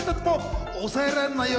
抑えられないよ。